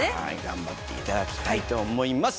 頑張っていただきたいと思います。